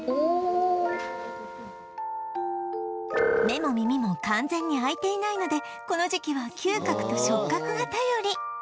目も耳も完全に開いていないのでこの時期は嗅覚と触覚が頼り